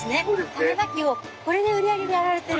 種まきをこれの売り上げでやられてる。